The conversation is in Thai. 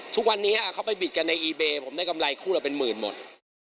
ทุกวันนี้เขาไปบิดกันในอีเบย์ผมได้กำไรคู่ละเป็นหมื่นหมด